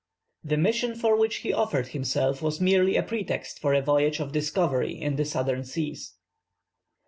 The mission for which he offered himself was merely a pretext for a voyage of discovery in the Southern Seas.